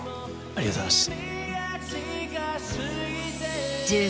ありがとうございます。